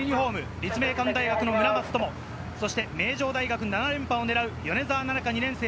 立命館大学の村松灯、そして名城大学７連覇を狙う米澤奈々香・２年生。